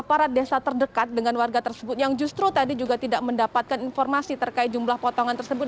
aparat desa terdekat dengan warga tersebut yang justru tadi juga tidak mendapatkan informasi terkait jumlah potongan tersebut